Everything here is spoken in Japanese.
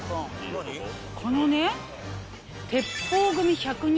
このね。